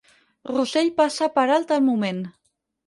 Russell passa per alt el moment.